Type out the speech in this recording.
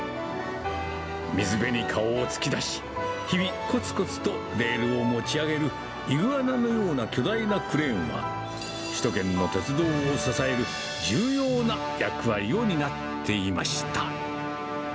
水辺に顔を突き出し、日々こつこつとレールを持ち上げる、イグアナのような巨大なクレーンは、首都圏の鉄道を支える重要な役割を担っていました。